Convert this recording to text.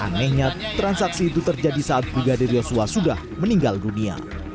anehnya transaksi itu terjadi saat brigadir yosua sudah meninggal dunia